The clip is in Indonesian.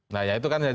nah ya itu kan